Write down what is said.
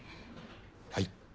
はい。